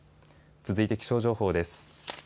続いて気象情報です。